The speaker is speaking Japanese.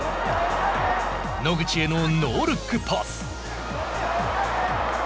野口へのノールックパス。